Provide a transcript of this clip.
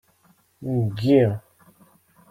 Ngi.